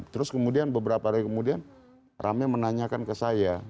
terus kemudian beberapa hari kemudian rame menanyakan ke saya